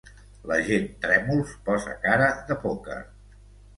L'agent Trèmols posa cara de pòquer.